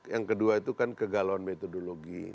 yang kedua itu kan kegalauan metodologi